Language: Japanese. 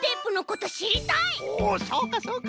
おおそうかそうか。